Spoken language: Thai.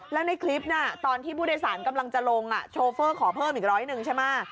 แล้วในคลิปน่ะตอนที่ผู้โดยสารกำลังจะลงโชเฟอร์ขอเพิ่มอีกร้อยหนึ่งใช่ไหม